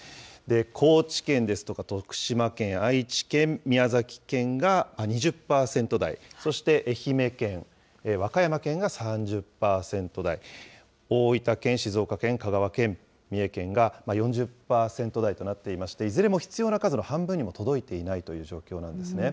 高知県ですとか、徳島県、愛知県、宮崎県が２０％台、そして愛媛県、和歌山県が３０％台、大分県、静岡県、香川県、三重県が４０％台となっていまして、いずれも必要な数の半分にも届いていないという状況なんですね。